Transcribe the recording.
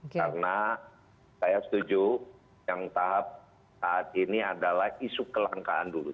karena saya setuju yang tahap saat ini adalah isu kelangkaan dulu